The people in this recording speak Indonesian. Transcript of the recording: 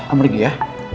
om pergi ya